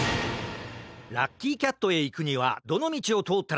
ラッキーキャットへいくにはどのみちをとおったらいいかな？